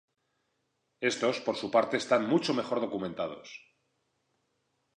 Estos por su parte están mucho mejor documentados.